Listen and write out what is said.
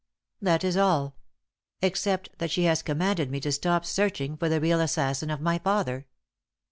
"That is all; except that she has commanded me to stop searching for the real assassin of my father."